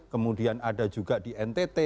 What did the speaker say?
kemudian ada juga di ntt